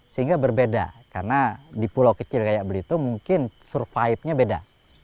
sehingga berbeda karena di pulau kecil kayak belitung mungkin survive nya beda